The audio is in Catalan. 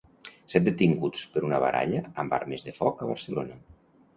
Set detinguts per una baralla amb armes de foc a Barcelona.